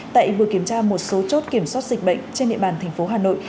tại vừa kiểm tra một số chốt kiểm soát dịch bệnh trên địa bàn thành phố hà nội